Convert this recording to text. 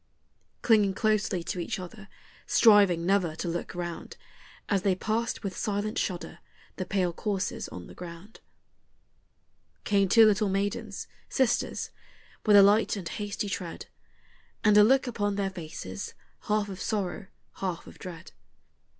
Clinging closely to each other, striving never to look round As they passed with silent shudder the pale corses on the ground, Came two little maidens, sisters, with a light and hasty tread, And a look upon their faces, half of sorrow, half of dread.